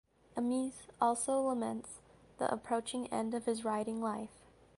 Amis also laments the approaching end of his writing life.